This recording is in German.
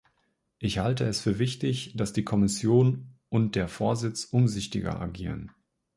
Ich halte es für wichtig, dass die Kommission und der Vorsitz umsichtiger agieren.